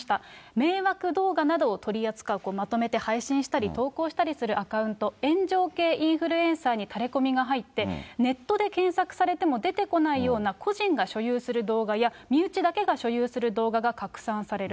迷惑動画などを取り扱う、まとめて配信したり、投稿したりするアカウント、炎上系インフルエンサーにタレコミが入って、ネットで検索されても出てこないような個人が所有する動画や身内だけが所有する動画が拡散される。